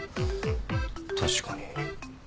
確かに。